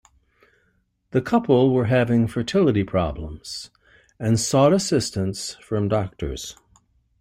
The couple were having fertility problems and sought assistance from doctors.